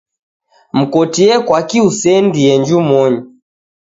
Mkotie kwaki useendie njumonyi.